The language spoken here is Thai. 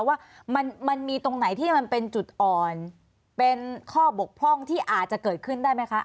ว่ามันมีตรงไหนที่มันเป็นจุดอ่อนเป็นข้อบกพร่องที่อาจจะเกิดขึ้นได้ไหมคะ